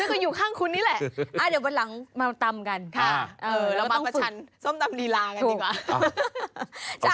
ก็คืออยู่ข้างคุณนี่แหละเดี๋ยววันหลังมาตำกันเรามาประชันส้มตำลีลากันดีกว่า